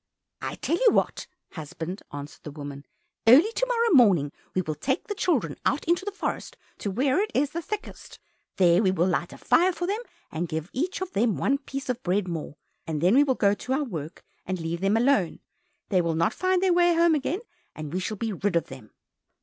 "I'll tell you what, husband," answered the woman, "Early to morrow morning we will take the children out into the forest to where it is the thickest, there we will light a fire for them, and give each of them one piece of bread more, and then we will go to our work and leave them alone. They will not find the way home again, and we shall be rid of them."